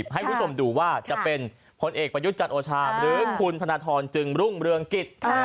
ให้คุณผู้ชมดูว่าจะเป็นผลเอกประยุทธ์จันทร์โอชาหรือคุณธนทรจึงรุ่งเรืองกิจ